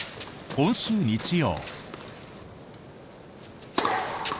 今週日曜。